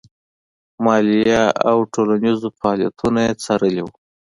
مالیه ټولوونکو فعالیتونه یې څارلي وو.